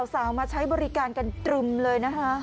สาวมาใช้บริการกันตรึมเลยนะคะ